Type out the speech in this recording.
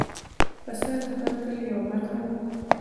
پسه د هر کلي یو برخه ده.